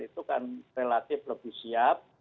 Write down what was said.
itu kan relatif lebih siap